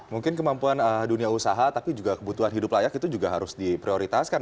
mungkin kemampuan dunia usaha tapi juga kebutuhan hidup layak itu juga harus diprioritaskan